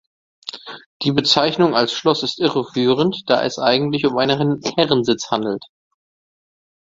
Die Bezeichnung als Schloss ist irreführend, da es eigentlich um einen Herrensitz handelt.